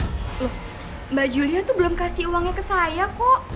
loh mbak julia itu belum kasih uangnya ke saya kok